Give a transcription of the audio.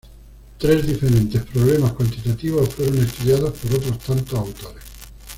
Tres diferentes problemas cuantitativos fueron estudiados por otros tantos autores.